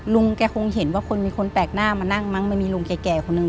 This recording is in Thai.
ลุงแกคงเห็นว่าคนมีคนแปลกหน้ามานั่งมั้งไม่มีลุงแก่คนหนึ่ง